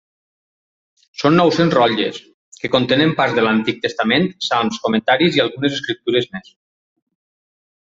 Són nou-cents rotlles, que contenen parts de l'Antic Testament, salms, comentaris i algunes escriptures més.